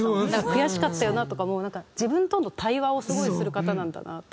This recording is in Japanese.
「悔しかったよな」とかも自分との対話をすごいする方なんだなと思って。